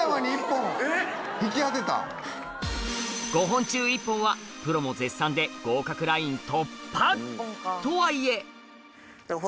５本中１本はプロも絶賛で合格ライン突破！とはいえあぁ。